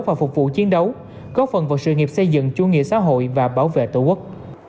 và phục vụ chiến đấu góp phần vào sự nghiệp xây dựng chủ nghĩa xã hội và bảo vệ tổ quốc